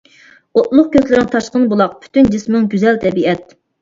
ئوتلۇق كۆزلىرىڭ تاشقىن بۇلاق، پۈتۈن جىسمىڭ گۈزەل تەبىئەت.